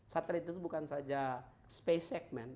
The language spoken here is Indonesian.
satelit itu bukan saja space segmen